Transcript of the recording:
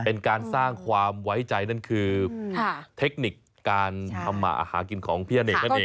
เป็นการสร้างความไว้ใจนั่นคือเทคนิคการทำมาหากินของพี่อเนกนั่นเอง